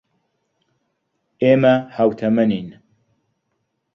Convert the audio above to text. ئێمە ھاوتەمەنین.